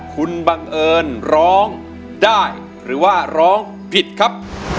คุณบังเอิญร้องได้หรือว่าร้องผิดครับ